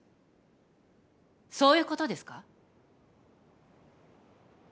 そういうことですか？